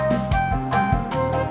iya siap siap